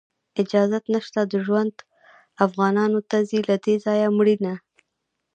اجازت نشته د ژوند، افغانانو ته ځي له دې ځایه مړینه